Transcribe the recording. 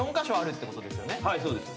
はいそうです。